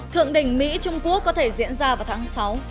thượng đỉnh mỹ trung quốc có thể diễn ra vào tháng sáu